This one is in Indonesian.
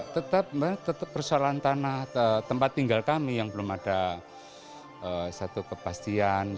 tetap persoalan tanah tempat tinggal kami yang belum ada satu kepastian